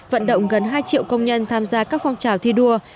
vận động gần hai triệu công nhân tham gia các phong trào thi đua